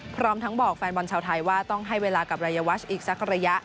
พร้อมทั้งบอกแฟนบอลชาวไทยว่าต้องให้เวลากับรายวัชอีกสักระยะ